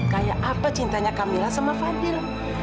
kayak apa cintanya camilla sama fadil